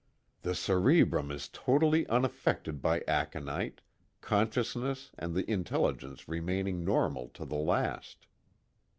"_The cerebrum is totally unaffected by aconite, consciousness and the intelligence remaining normal to the last.